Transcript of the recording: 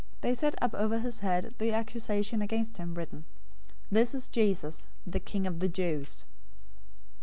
027:037 They set up over his head the accusation against him written, "THIS IS JESUS, THE KING OF THE JEWS."